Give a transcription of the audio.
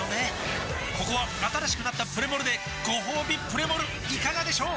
ここは新しくなったプレモルでごほうびプレモルいかがでしょう？